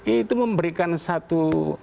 itu memberikan satu